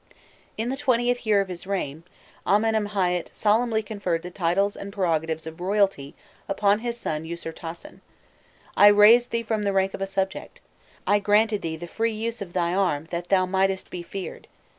In the XXth year of his reign, Amenemhâît solemnly conferred the titles and prerogatives of royalty upon his son Usirtasen: "I raised thee from the rank of a subject, I granted thee the free use of thy arm that thou mightest be feared.